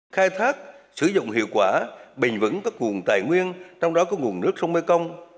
khai thác sử dụng hiệu quả bình vững các nguồn tài nguyên trong đó có nguồn nước sông mekong